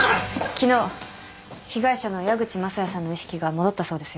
昨日被害者の矢口雅也さんの意識が戻ったそうですよ。